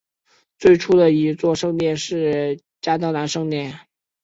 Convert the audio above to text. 最初的一座圣殿是嘉德兰圣殿。